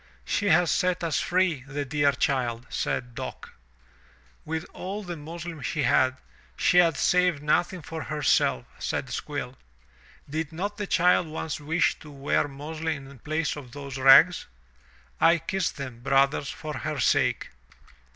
'*She has set us free, the dear child," said Dock. "With all the muslin she had, she has saved nothing for herself," said Squill. Did not the child once wish to wear muslin in place of those rags? I kiss them, brothers, for her sake."